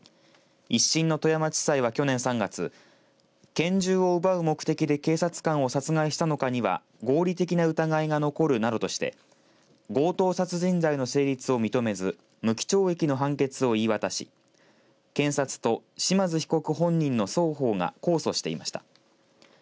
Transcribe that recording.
１審の富山地裁は去年３月拳銃を奪う目的で警察官を殺害したのかには合理的な疑いが残るなどとして強盗殺人罪の成立を認めず無期懲役の判決を言い渡し検察と島津被告本人の双方が控訴していました。